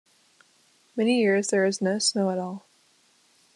Many years there is no snow at all.